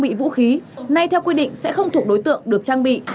đối tượng trang bị vũ khí nay theo quy định sẽ không thuộc đối tượng được trang bị